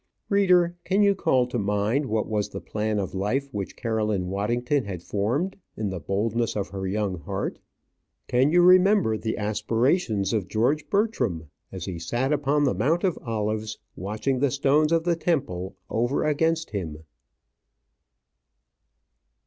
Reader, can you call to mind what was the plan of life which Caroline Waddington had formed in the boldness of her young heart? Can you remember the aspirations of George Bertram, as he sat upon the Mount of Olives, watching the stones of the temple over against him?